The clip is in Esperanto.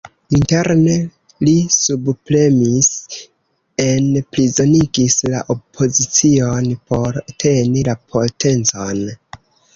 Interne, li subpremis, enprizonigis la opozicion, por teni la potencon.